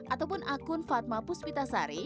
ataupun akun fatma puspitasari